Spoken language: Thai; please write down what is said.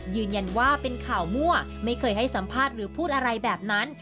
ยืนยันว่าเป็นข่าวมั่วไม่เคยให้สัมภาษณ์หรือพูดอะไรแบบนั้น